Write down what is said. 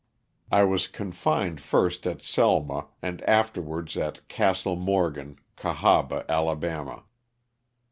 I was confined first at Selma, and after wards at Castle Morgan, Cahaba, Ala.